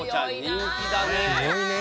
人気だね。